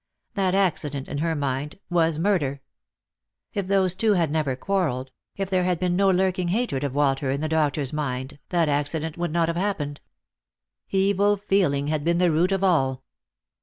That acci dent, in her mind, was murder. If those two had never quarrelled, if there had been no lurking hatred of Walter in the doctor's mind, that accident would not have happened. Evil feeling had been the root of all.